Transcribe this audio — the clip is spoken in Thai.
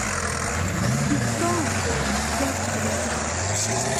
ทิสโก้ไฟแนนเชียลกรุ๊ป